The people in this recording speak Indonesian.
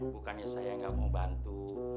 bukannya saya yang gak mau bantu